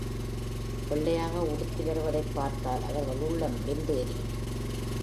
வெள்ளையாக உடுத்திவருவதைப் பார்த்தால் அவர்கள் உள்ளம் வெந்து எரியும்.